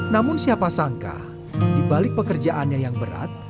namun siapa sangka dibalik pekerjaannya yang berat